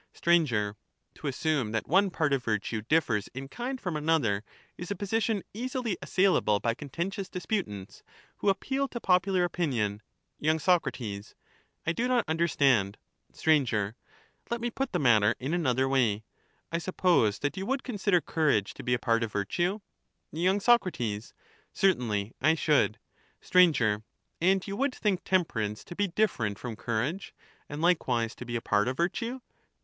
Sir. To assume that one part of virtue differs in kind Certain from another, is a position easily assailable by contentious ^![Jfe°^ch disputants, who appeal to popular opinion. as courage y. Soc. I do not understand. andtemper ^_,,,_, ance, are Sir. Let me put the matter m another way : I suppose that antago you would consider courage to be a part of virtue? »»»s'»c y. Soc. Certainly I should. Sir. And you would think temperance to be different from courage ; and likewise to be a part of virtue